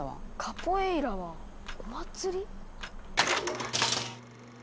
カポエイラはお祭り？